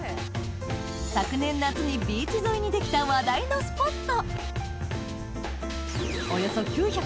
昨年夏にビーチ沿いに出来た話題のスポット